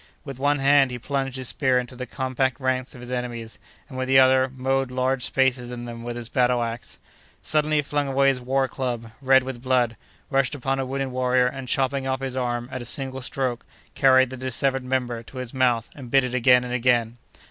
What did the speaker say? With one hand he plunged his spear into the compact ranks of his enemies, and with the other mowed large spaces in them with his battle axe. Suddenly he flung away his war club, red with blood, rushed upon a wounded warrior, and, chopping off his arm at a single stroke, carried the dissevered member to his mouth, and bit it again and again.